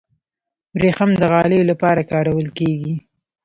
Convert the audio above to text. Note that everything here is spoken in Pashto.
وریښم د غالیو لپاره کارول کیږي.